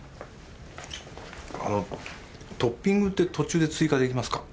あのトッピングって途中で追加できますか？